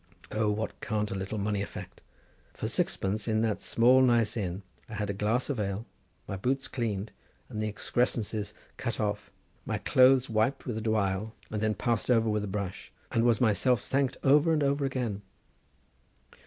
O, what can't a little money effect? For sixpence in that small nice inn I had a glass of ale, my boots cleaned and the excrescences cut off, my clothes wiped with a dwile, and then passed over with a brush, and was myself thanked over and over again.